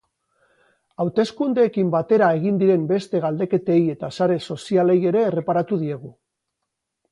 Hauteskundeekin batera egin diren beste galdeketei eta sare sozialei ere erreparatu diegu.